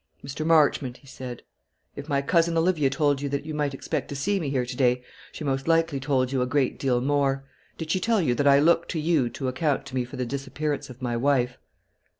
"Mr. Marchmont," he said, "if my cousin Olivia told you that you might expect to see me here to day, she most likely told you a great deal more. Did she tell you that I looked to you to account to me for the disappearance of my wife?"